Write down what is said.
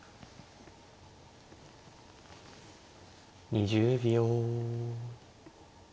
２０秒。